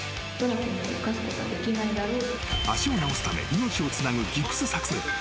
足を治すため命をつなぐギプス作製。